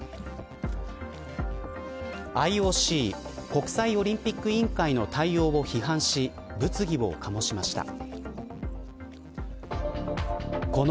ＩＯＣ国際オリンピック委員会の対応を批判し、物議を醸しました。